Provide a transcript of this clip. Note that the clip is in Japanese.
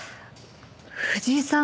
藤井さん